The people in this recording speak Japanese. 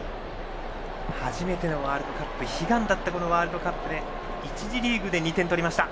初めてのワールドカップ悲願だったこのワールドカップで１次リーグで２点取りました。